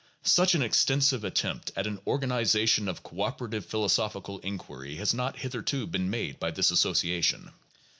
Such an extensive attempt at an organization of cooperative philosophical inquiry has not hitherto been made by this Association.